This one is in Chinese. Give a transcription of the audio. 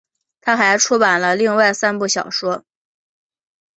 她还出版了另外三部小说。